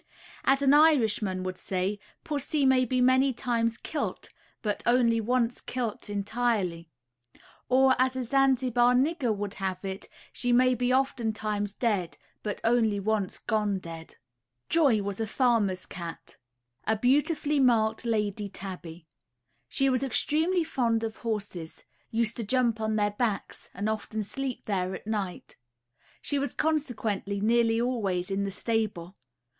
As an Irishman would say, pussy may be many times "kill't," but only once "kill't entirely;" or, as a Zanzibar nigger would have it, she may be often times dead, but only once "gone dead." Joy was a farmer's cat, a beautifully marked lady tabby. She was extremely fond of horses, used to jump on their backs, and often sleep there at night. She was consequently nearly always in the stable.